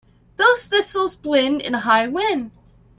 Those thistles bend in a high wind.